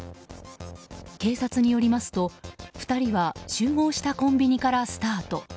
警察によりますと、２人は集合したコンビニからスタート。